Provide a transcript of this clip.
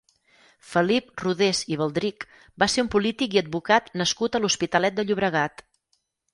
Felip Rodés i Baldrich va ser un polític i advocat nascut a l'Hospitalet de Llobregat.